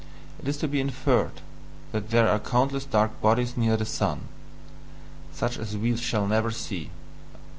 It is to be INFERRED that there are countless dark bodies near the sun such as we shall never see.